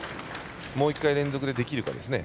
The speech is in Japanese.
もう１回連続でできるかですね。